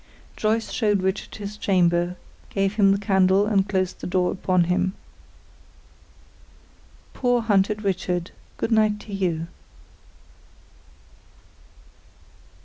Joyce showed Richard his chamber, gave him the candle, and closed the door upon him. Poor hunted Richard, good night to you.